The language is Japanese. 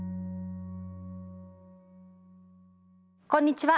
こんにちは。